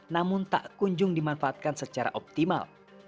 namun tak kunjung dimanfaatkan secara optimal